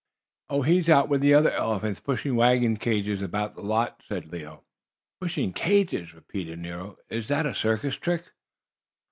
"Oh, he's out with the other elephants, pushing wagon cages about the lot," said Leo. "Pushing cages?" repeated Nero. "Is that a circus trick?"